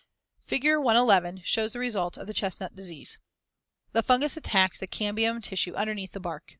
Fig. 111 shows the result of the chestnut disease. The fungus attacks the cambium tissue underneath the bark.